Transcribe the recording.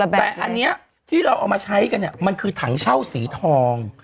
แต่อันนี้ที่เราเอามาใช้กันเนี่ยมันคือถังเช่าสีทอง